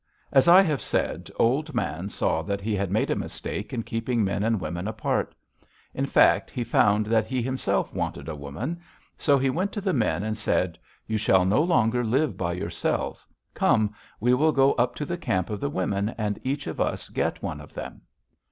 "As I have said, Old Man saw that he had made a mistake in keeping men and women apart. In fact, he found that he himself wanted a woman; so he went to the men and said: 'You shall no longer live by yourselves. Come! We will go up to the camp of the women, and each of us get one of them.'